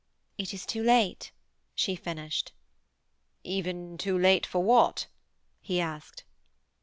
'It is too late,' she finished. 'Even too late for what?' he asked.